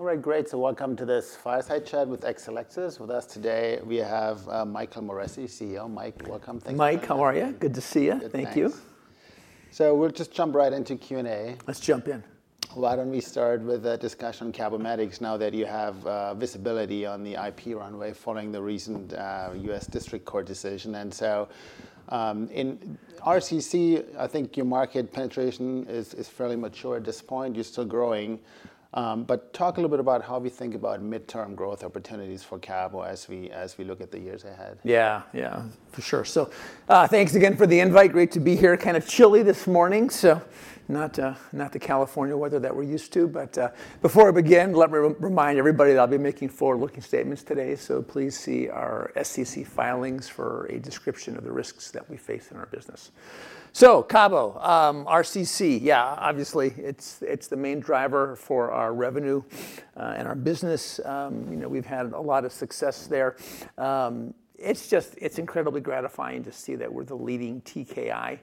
All right, great. So welcome to this fireside chat with Exelixis. With us today, we have Michael Morrissey, CEO. Mike, welcome. Thank you. Mike, how are you? Good to see you. Thank you. We'll just jump right into Q&A. Let's jump in. Why don't we start with a discussion on Cabometyx now that you have visibility on the IP runway following the recent U.S. District Court decision? And so in RCC, I think your market penetration is fairly mature at this point. You're still growing. But talk a little bit about how we think about midterm growth opportunities for Cabometyx as we look at the years ahead. Yeah, yeah, for sure. So thanks again for the invite. Great to be here, kind of chilly this morning. So not the California weather that we're used to. But before I begin, let me remind everybody that I'll be making forward-looking statements today. So please see our SEC filings for a description of the risks that we face in our business. So Cabometyx, RCC, yeah, obviously it's the main driver for our revenue and our business. We've had a lot of success there. It's just, it's incredibly gratifying to see that we're the leading TKI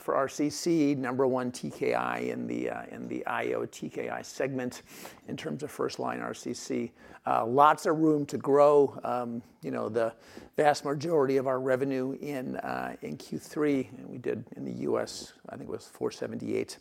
for RCC, number one TKI in the IO TKI segment in terms of first line RCC. Lots of room to grow. The vast majority of our revenue in Q3, and we did in the U.S., I think it was $478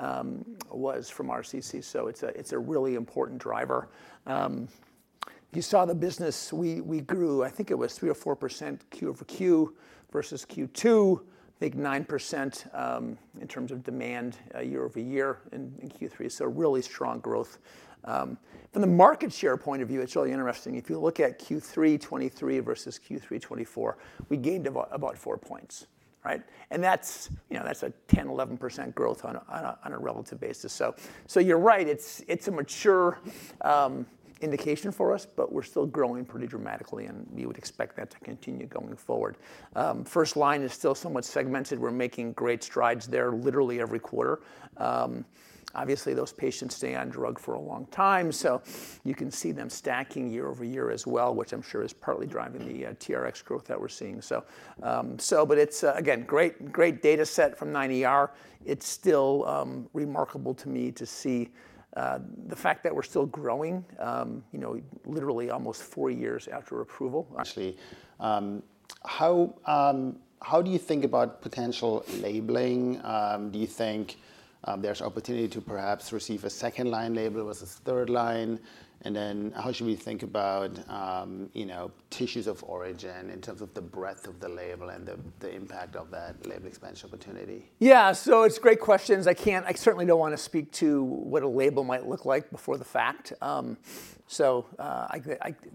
million, was from RCC. So it's a really important driver. You saw the business, we grew, I think it was 3% or 4% Q over Q versus Q2, I think 9% in terms of demand year over year in Q3. So really strong growth. From the market share point of view, it's really interesting. If you look at Q3 2023 versus Q3 2024, we gained about four points, and that's a 10%, 11% growth on a relative basis. So you're right, it's a mature indication for us, but we're still growing pretty dramatically, and we would expect that to continue going forward. First line is still somewhat segmented. We're making great strides there literally every quarter. Obviously, those patients stay on drug for a long time. So you can see them stacking year over year as well, which I'm sure is partly driving the TRX growth that we're seeing, but it's, again, great data set from 9ER. It's still remarkable to me to see the fact that we're still growing literally almost four years after approval. Actually, how do you think about potential labeling? Do you think there's opportunity to perhaps receive a second line label versus third line? And then how should we think about tissues of origin in terms of the breadth of the label and the impact of that label expansion opportunity? Yeah, so it's great questions. I certainly don't want to speak to what a label might look like before the fact. So I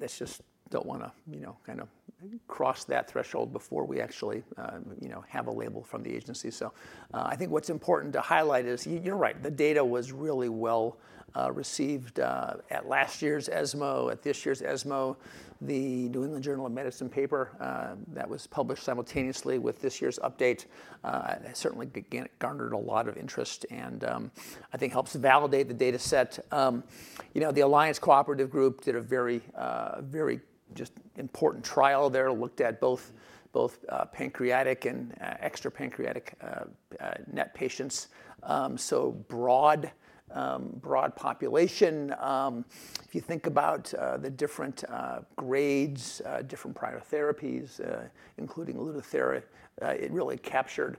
just don't want to kind of cross that threshold before we actually have a label from the agency. So I think what's important to highlight is you're right, the data was really well received at last year's ESMO, at this year's ESMO, the New England Journal of Medicine paper that was published simultaneously with this year's update. It certainly garnered a lot of interest and I think helps validate the data set. The Alliance Cooperative Group did a very, very just important trial there. Looked at both pancreatic and extrapancreatic NET patients. So broad population. If you think about the different grades, different prior therapies, including Lutathera, it really captured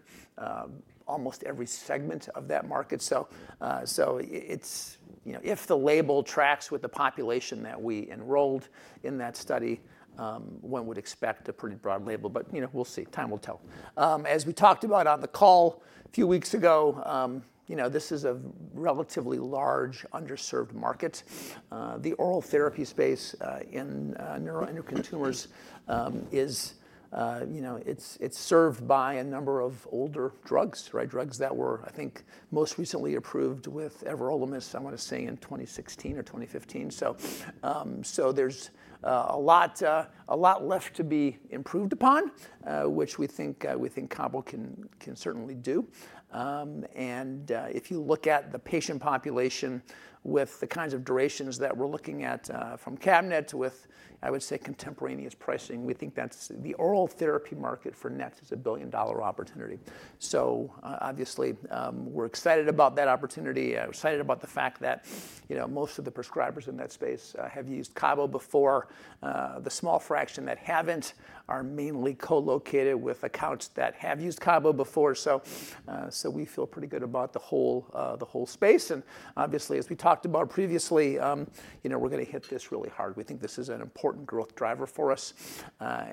almost every segment of that market. So if the label tracks with the population that we enrolled in that study, one would expect a pretty broad label. But we'll see. Time will tell. As we talked about on the call a few weeks ago, this is a relatively large underserved market. The oral therapy space in neuroendocrine tumors is served by a number of older drugs, drugs that were, I think, most recently approved with everolimus, I want to say in 2016 or 2015. So there's a lot left to be improved upon, which we think Cabo can certainly do. And if you look at the patient population with the kinds of durations that we're looking at from CABINET with, I would say, contemporaneous pricing, we think that the oral therapy market for NETs is a $1 billion opportunity. So obviously, we're excited about that opportunity. We're excited about the fact that most of the prescribers in that space have used Cabo before. The small fraction that haven't are mainly co-located with accounts that have used Cabo before. So we feel pretty good about the whole space. And obviously, as we talked about previously, we're going to hit this really hard. We think this is an important growth driver for us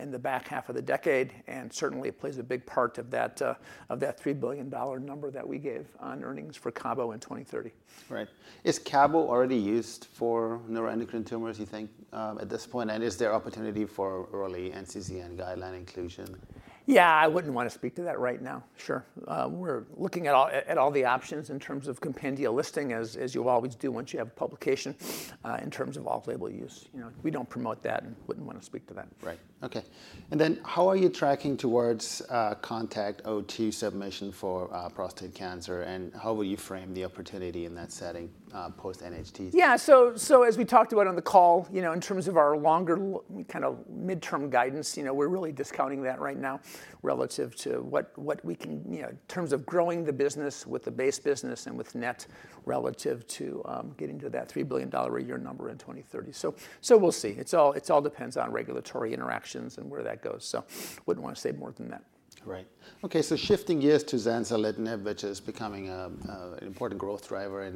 in the back half of the decade. And certainly, it plays a big part of that $3 billion number that we gave on earnings for Cabo in 2030. Right. Is Cabo already used for neuroendocrine tumors, you think, at this point? And is there opportunity for early NCCN guideline inclusion? Yeah, I wouldn't want to speak to that right now. Sure. We're looking at all the options in terms of compendia listing, as you always do once you have a publication in terms of off-label use. We don't promote that and wouldn't want to speak to that. Right. Okay. And then how are you tracking towards CONTACT-02 submission for prostate cancer? And how will you frame the opportunity in that setting post-NHT? Yeah. So as we talked about on the call, in terms of our longer kind of midterm guidance, we're really discounting that right now relative to what we can in terms of growing the business with the base business and with net relative to getting to that $3 billion a year number in 2030. So we'll see. It all depends on regulatory interactions and where that goes. So I wouldn't want to say more than that. Right. Okay. So shifting gears to zanzalintinib, which is becoming an important growth driver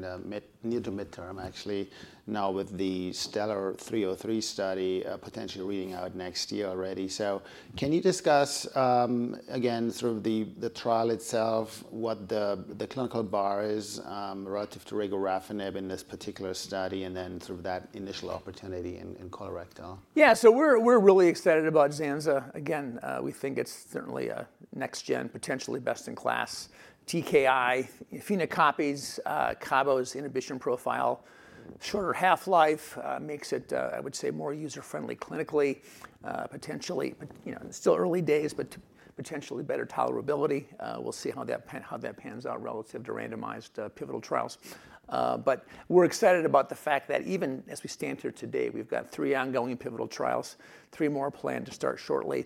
near to midterm, actually, now with the STELLAR-303 study potentially reading out next year already. So can you discuss, again, through the trial itself, what the clinical bar is relative to regorafenib in this particular study and then through that initial opportunity in colorectal? Yeah. So we're really excited about zanzalintinib. Again, we think it's certainly a next-gen, potentially best-in-class TKI. Phenocopies Cabometyx's inhibition profile, shorter half-life makes it, I would say, more user-friendly clinically, potentially. Still early days, but potentially better tolerability. We'll see how that pans out relative to randomized pivotal trials. But we're excited about the fact that even as we stand here today, we've got three ongoing pivotal trials, three more planned to start shortly.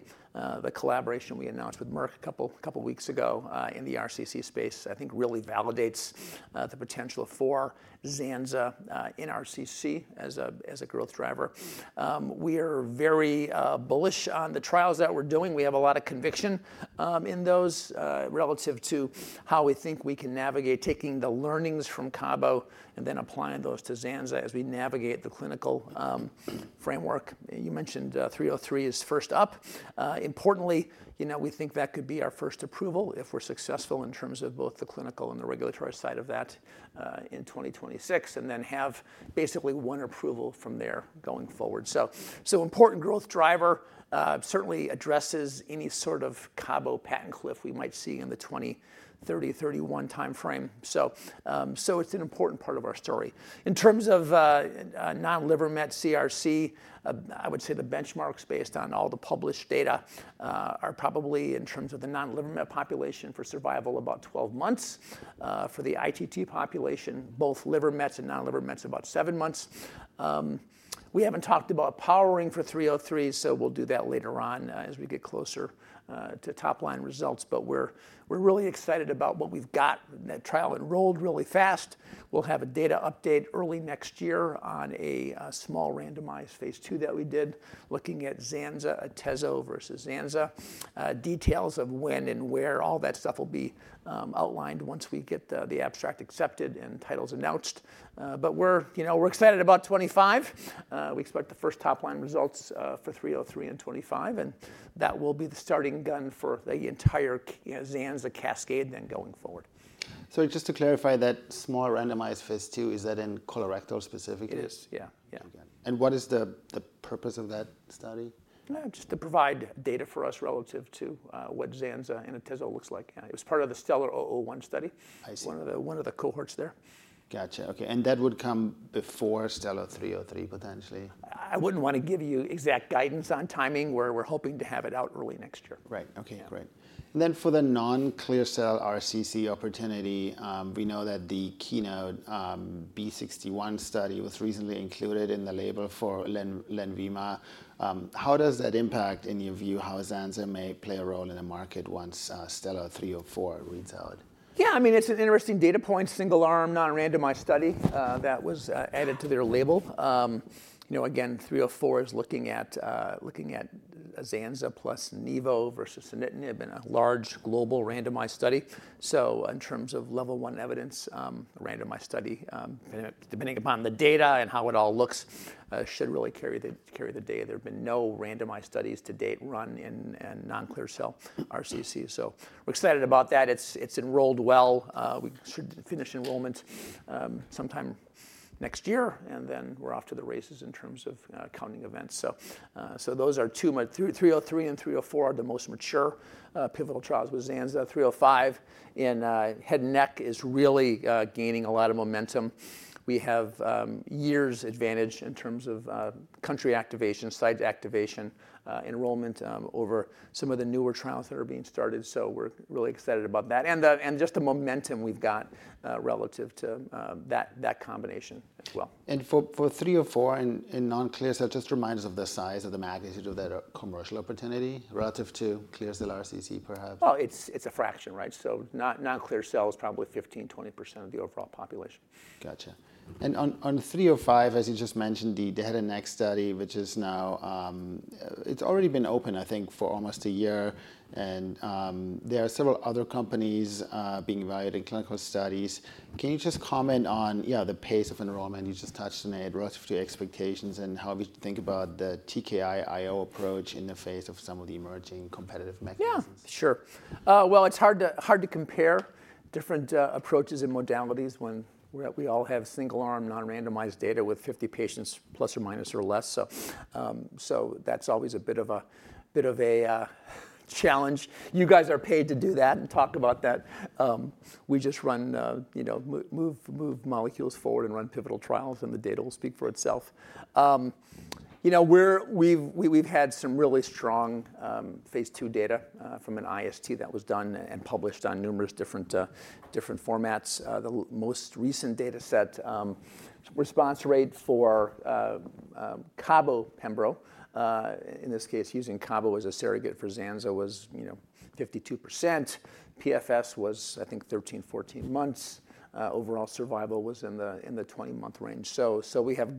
The collaboration we announced with Merck a couple of weeks ago in the RCC space, I think really validates the potential for zanzalintinib in RCC as a growth driver. We are very bullish on the trials that we're doing. We have a lot of conviction in those relative to how we think we can navigate taking the learnings from Cabometyx and then applying those to zanzalintinib as we navigate the clinical framework. You mentioned 303 is first up. Importantly, we think that could be our first approval if we're successful in terms of both the clinical and the regulatory side of that in 2026, and then have basically one approval from there going forward. So important growth driver certainly addresses any sort of Cabo patent cliff we might see in the 2030-31 timeframe. So it's an important part of our story. In terms of non-liver mets CRC, I would say the benchmarks based on all the published data are probably in terms of the non-liver mets population for survival about 12 months. For the ITT population, both liver mets and non-liver mets about seven months. We haven't talked about powering for 303, so we'll do that later on as we get closer to top line results. But we're really excited about what we've got. That trial enrolled really fast. We'll have a data update early next year on a small randomized phase II that we did looking at zanzalintinib, atezolizumab versus zanzalintinib. Details of when and where, all that stuff will be outlined once we get the abstract accepted and titles announced, but we're excited about 2025. We expect the first top line results for 303 in 2025, and that will be the starting gun for the entire zanzalintinib cascade then going forward. So just to clarify that small randomized phase II, is that in colorectal specifically? It is. Yeah. What is the purpose of that study? Just to provide data for us relative to what zanzalintinib and atezolizumab looks like. It was part of the STELLAR-001 study, one of the cohorts there. Gotcha. Okay. And that would come before STELLAR-303 potentially? I wouldn't want to give you exact guidance on timing. We're hoping to have it out early next year. Right. Okay. Great. And then for the non-clear cell RCC opportunity, we know that the KEYNOTE-B61 study was recently included in the label for Lenvima. How does that impact in your view how zanza may play a role in the market once STELLAR-304 reads out? Yeah, I mean, it's an interesting data point, single arm, non-randomized study that was added to their label. Again, 304 is looking at zanza plus nivo versus sunitinib in a large global randomized study. So in terms of level one evidence, a randomized study, depending upon the data and how it all looks, should really carry the day. There have been no randomized studies to date run in non-clear cell RCC. So we're excited about that. It's enrolled well. We should finish enrollment sometime next year. And then we're off to the races in terms of counting events. So those are two, 303 and 304 are the most mature pivotal trials with zanza. 305 in head and neck is really gaining a lot of momentum. We have years' advantage in terms of country activation, site activation, enrollment over some of the newer trials that are being started. So we're really excited about that. And just the momentum we've got relative to that combination as well. And for 304 in non-clear cell, just remind us of the size of the magnitude of that commercial opportunity relative to clear cell RCC, perhaps? Oh, it's a fraction, right? So non-clear cell is probably 15%-20% of the overall population. Gotcha. And on 305, as you just mentioned, the head and neck study, which is now, it's already been open, I think, for almost a year. And there are several other companies being evaluated in clinical studies. Can you just comment on, yeah, the pace of enrollment you just touched on it relative to expectations and how we think about the TKI IO approach in the face of some of the emerging competitive mechanisms? Yeah, sure. Well, it's hard to compare different approaches and modalities when we all have single arm, non-randomized data with 50 patients plus or minus or less. So that's always a bit of a challenge. You guys are paid to do that and talk about that. We just move molecules forward and run pivotal trials, and the data will speak for itself. We've had some really strong phase II data from an IST that was done and published on numerous different formats. The most recent data set, response rate for Cabo, pembro, in this case, using Cabo as a surrogate for zanza was 52%. PFS was, I think, 13 months-14 months. Overall survival was in the 20-month range. So we have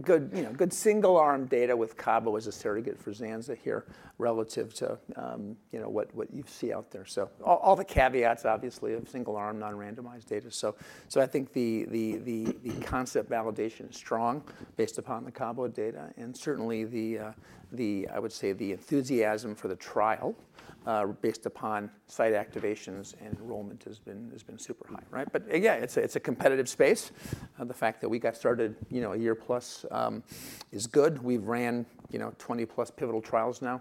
good single arm data with Cabo as a surrogate for zanza here relative to what you see out there. So all the caveats, obviously, of single arm, non-randomized data. So I think the concept validation is strong based upon the Cabo data. And certainly, I would say the enthusiasm for the trial based upon site activations and enrollment has been super high, right? But again, it's a competitive space. The fact that we got started a year plus is good. We've ran 20-plus pivotal trials now.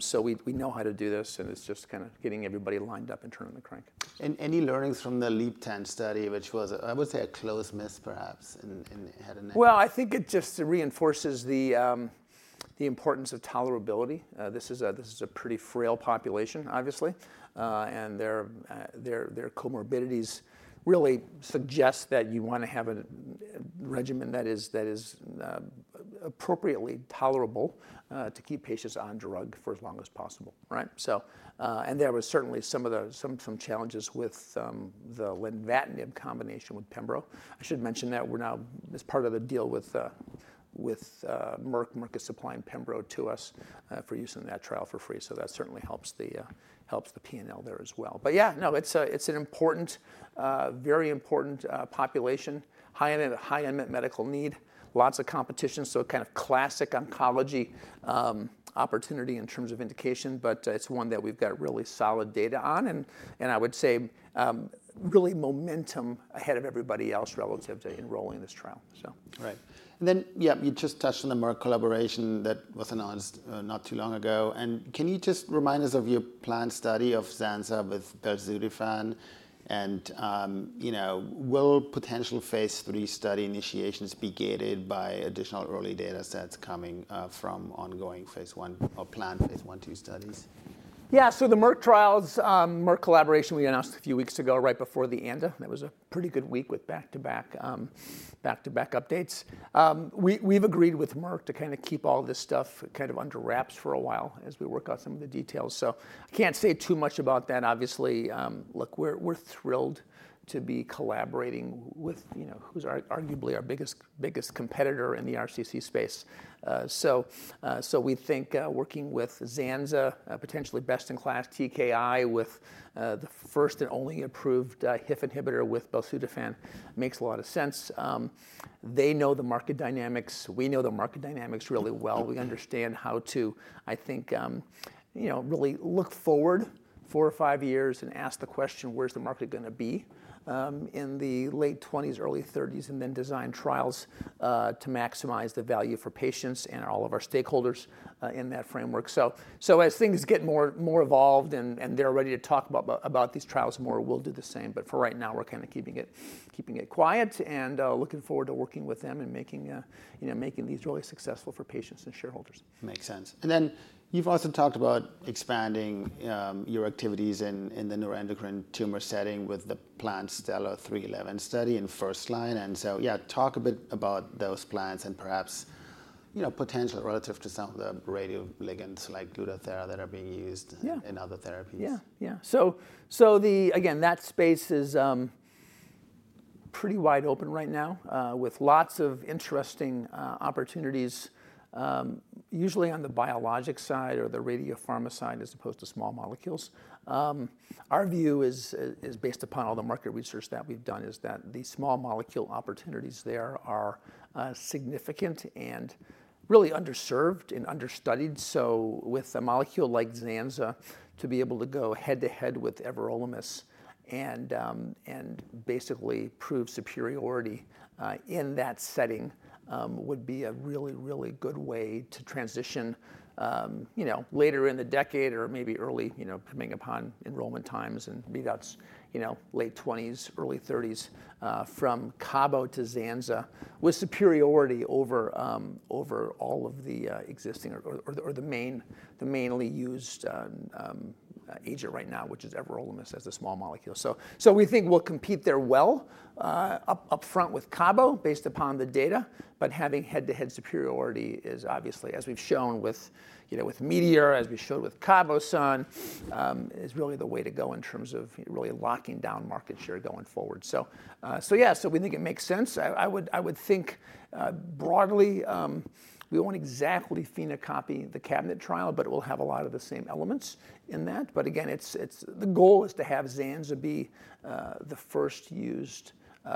So we know how to do this, and it's just kind of getting everybody lined up and turning the crank. Any learnings from the LEAP-010 study, which was, I would say, a close miss, perhaps, in head and neck? I think it just reinforces the importance of tolerability. This is a pretty frail population, obviously. Their comorbidities really suggest that you want to have a regimen that is appropriately tolerable to keep patients on drug for as long as possible, right? There were certainly some challenges with the lenvatinib combination with pembro. I should mention that we're now, as part of the deal with Merck, Merck is supplying pembro to us for use in that trial for free. So that certainly helps the P&L there as well. Yeah, no, it's an important, very important population, high unmet medical need, lots of competition. Kind of classic oncology opportunity in terms of indication, but it's one that we've got really solid data on. I would say really momentum ahead of everybody else relative to enrolling this trial, so. Right. And then, yeah, you just touched on the Merck collaboration that was announced not too long ago. And can you just remind us of your planned study of zanzalintinib with belzutifan? And will potential phase III study initiations be gated by additional early data sets coming from ongoing phase I or planned phase I II studies? Yeah, so the Merck trials, Merck collaboration, we announced a few weeks ago right before the ASCO. That was a pretty good week with back-to-back updates. We've agreed with Merck to kind of keep all this stuff kind of under wraps for a while as we work out some of the details, so I can't say too much about that, obviously. Look, we're thrilled to be collaborating with who's arguably our biggest competitor in the RCC space, so we think working with zanza, potentially best-in-class TKI with the first and only approved HIF inhibitor with belzutifan makes a lot of sense. They know the market dynamics. We know the market dynamics really well. We understand how to, I think, really look forward four or five years and ask the question, where's the market going to be in the late 2020s, early 2030s, and then design trials to maximize the value for patients and all of our stakeholders in that framework. So as things get more evolved and they're ready to talk about these trials more, we'll do the same. But for right now, we're kind of keeping it quiet and looking forward to working with them and making these really successful for patients and shareholders. Makes sense. And then you've also talked about expanding your activities in the neuroendocrine tumor setting with the planned STELLAR-311 study in first-line. And so, yeah, talk a bit about those plans and perhaps potential relative to some of the radioligands like Lutathera that are being used in other therapies. Yeah. Yeah. So again, that space is pretty wide open right now with lots of interesting opportunities, usually on the biologic side or the radiopharma side as opposed to small molecules. Our view is based upon all the market research that we've done is that the small molecule opportunities there are significant and really underserved and understudied. So with a molecule like zanza to be able to go head to head with everolimus and basically prove superiority in that setting would be a really, really good way to transition later in the decade or maybe early, depending upon enrollment times and maybe that's late 20s, early 30s from Cabo to zanza with superiority over all of the existing or the mainly used agent right now, which is everolimus as a small molecule. So we think we'll compete there well upfront with Cabo based upon the data. But having head-to-head superiority is obviously, as we've shown with METEOR, as we showed with CABOSUN, is really the way to go in terms of really locking down market share going forward. So yeah, so we think it makes sense. I would think broadly we won't exactly phenocopy the CABINET trial, but we'll have a lot of the same elements in that. But again, the goal is to have zanza be the first used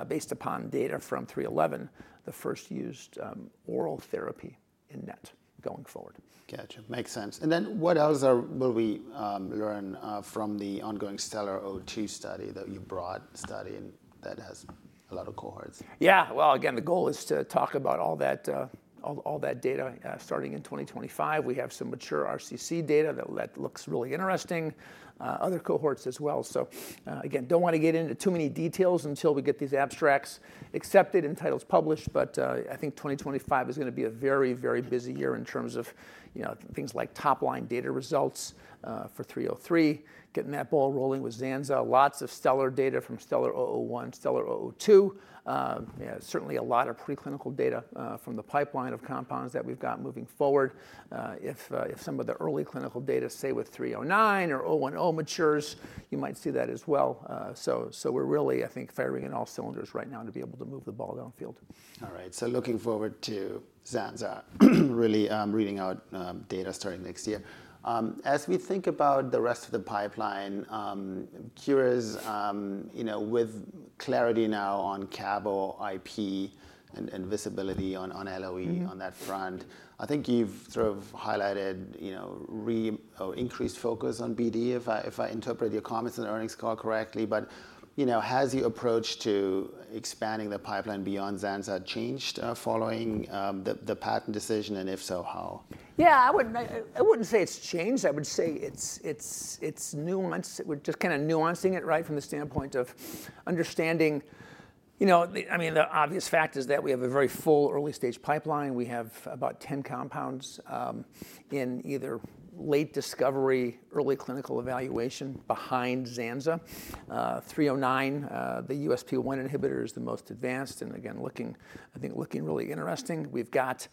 based upon data from 311, the first used oral therapy in NET going forward. Gotcha. Makes sense. And then what else will we learn from the ongoing STELLAR-002 study that you brought that has a lot of cohorts? Yeah. Well, again, the goal is to talk about all that data starting in 2025. We have some mature RCC data that looks really interesting, other cohorts as well. So again, don't want to get into too many details until we get these abstracts accepted and titles published. But I think 2025 is going to be a very, very busy year in terms of things like top line data results for 303, getting that ball rolling with zanza, lots of STELLAR data from STELLAR-001, STELLAR-002, certainly a lot of preclinical data from the pipeline of compounds that we've got moving forward. If some of the early clinical data, say with 309 or 010 matures, you might see that as well. So we're really, I think, firing in all cylinders right now to be able to move the ball downfield. All right. So looking forward to zanza, really reading out data starting next year. As we think about the rest of the pipeline, curious with clarity now on Cabo IP and visibility on LOE on that front. I think you've sort of highlighted increased focus on BD, if I interpret your comments and the earnings call correctly. But has your approach to expanding the pipeline beyond zanza changed following the patent decision? And if so, how? Yeah, I wouldn't say it's changed. I would say it's nuanced. We're just kind of nuancing it, right, from the standpoint of understanding. I mean, the obvious fact is that we have a very full early stage pipeline. We have about 10 compounds in either late discovery, early clinical evaluation behind zanza, 309, the USP1 inhibitor is the most advanced. And again, I think looking really interesting, we've got,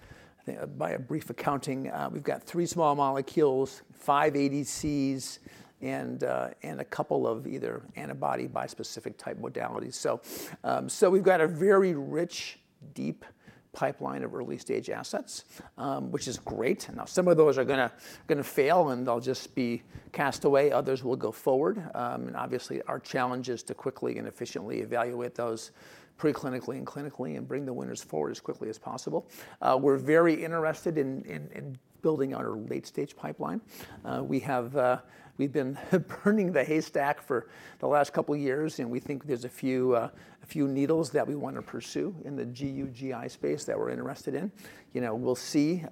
by a brief accounting, we've got three small molecules, five ADCs, and a couple of either antibody bispecific type modalities. So we've got a very rich, deep pipeline of early stage assets, which is great. Now, some of those are going to fail and they'll just be cast away. Others will go forward. And obviously, our challenge is to quickly and efficiently evaluate those preclinically and clinically and bring the winners forward as quickly as possible. We're very interested in building on our late stage pipeline. We've been burning the haystack for the last couple of years, and we think there's a few needles that we want to pursue in the GU/GI space that we're interested in. We'll see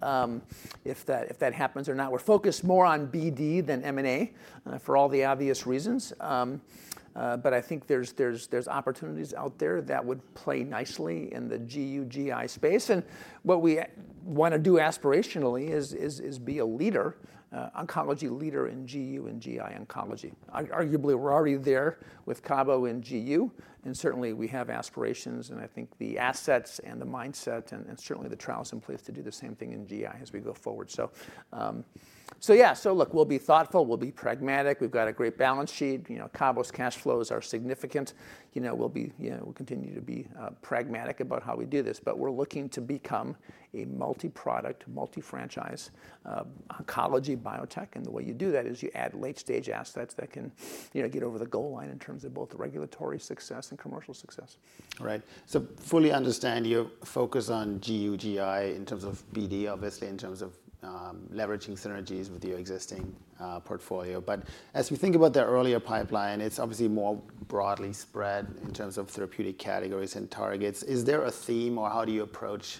if that happens or not. We're focused more on BD than M&A for all the obvious reasons, but I think there's opportunities out there that would play nicely in the GU/GI space, and what we want to do aspirationally is be a leader, oncology leader in GU and GI oncology. Arguably, we're already there with Cabo and GU, and certainly, we have aspirations, and I think the assets and the mindset and certainly the trials in place to do the same thing in GI as we go forward, so yeah, so look, we'll be thoughtful. We'll be pragmatic. We've got a great balance sheet. Cabo's cash flows are significant. We'll continue to be pragmatic about how we do this. But we're looking to become a multi-product, multi-franchise oncology biotech. And the way you do that is you add late stage assets that can get over the goal line in terms of both regulatory success and commercial success. Right. So fully understand your focus on GU/GI in terms of BD, obviously, in terms of leveraging synergies with your existing portfolio. But as we think about the earlier pipeline, it's obviously more broadly spread in terms of therapeutic categories and targets. Is there a theme or how do you approach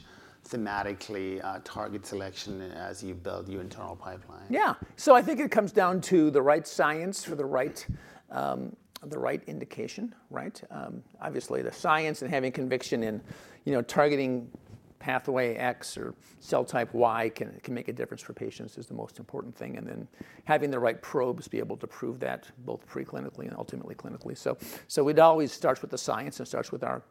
thematically target selection as you build your internal pipeline? Yeah. So I think it comes down to the right science for the right indication, right? Obviously, the science and having conviction in targeting pathway X or cell type Y can make a difference for patients is the most important thing. And then having the right probes be able to prove that both preclinically and ultimately clinically. So it always starts with the science and starts with our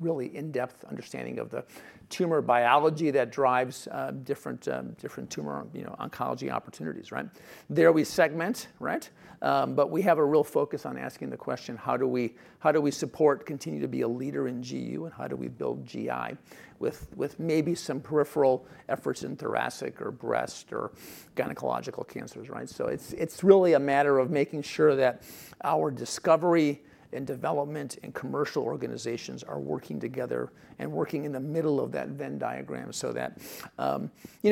really in-depth understanding of the tumor biology that drives different tumor oncology opportunities, right? There we segment, right? But we have a real focus on asking the question, how do we support, continue to be a leader in GU, and how do we build GI with maybe some peripheral efforts in thoracic or breast or gynecological cancers, right? So it's really a matter of making sure that our discovery and development and commercial organizations are working together and working in the middle of that Venn diagram so that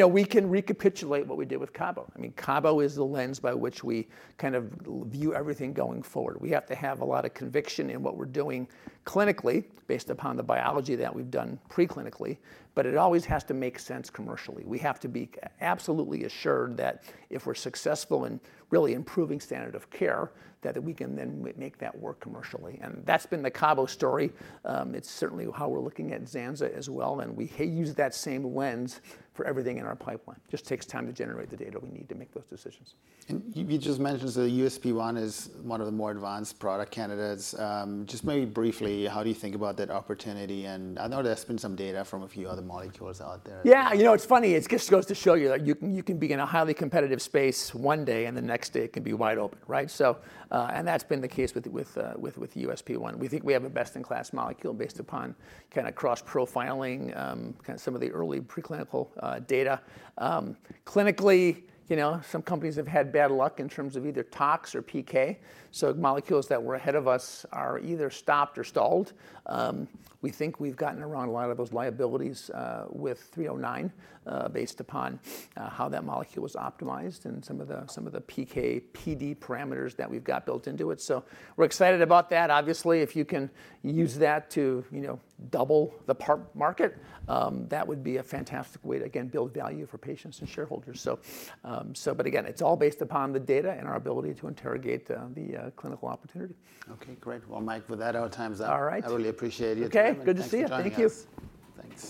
we can recapitulate what we did with Cabo. I mean, Cabo is the lens by which we kind of view everything going forward. We have to have a lot of conviction in what we're doing clinically based upon the biology that we've done preclinically. But it always has to make sense commercially. We have to be absolutely assured that if we're successful in really improving standard of care, that we can then make that work commercially. And that's been the Cabo story. It's certainly how we're looking at zanza as well. And we use that same lens for everything in our pipeline. It just takes time to generate the data we need to make those decisions. You just mentioned the USP1 is one of the more advanced product candidates. Just maybe briefly, how do you think about that opportunity? I know there's been some data from a few other molecules out there. Yeah. You know, it's funny. It just goes to show you that you can be in a highly competitive space one day and the next day it can be wide open, right? And that's been the case with USP1. We think we have a best in class molecule based upon kind of cross profiling some of the early preclinical data. Clinically, some companies have had bad luck in terms of either Tox or PK. So molecules that were ahead of us are either stopped or stalled. We think we've gotten around a lot of those liabilities with 309 based upon how that molecule was optimized and some of the PK/PD parameters that we've got built into it. So we're excited about that. Obviously, if you can use that to double the market, that would be a fantastic way to, again, build value for patients and shareholders. But again, it's all based upon the data and our ability to interrogate the clinical opportunity. Okay. Great. Well, Mike, with that, our time's up. All right. I really appreciate you. Okay. Good to see you. Thank you. Thanks.